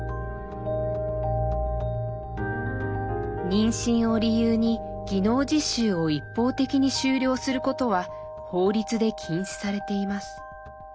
妊娠を理由に技能実習を一方的に終了することは法律で禁止されています。